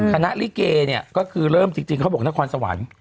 คณะลิเกก็คือเริ่มจริงเขาบอกนครสวรรค์